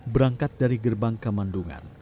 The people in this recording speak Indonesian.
berangkat dari gerbang kemandungan